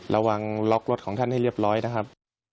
ระวังล็อกรถของท่านให้เรียบร้อยนะครับ